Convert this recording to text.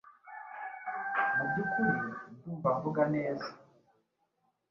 Mubyukuri, ndumva mvuga neza.